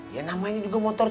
ya namanya juga motor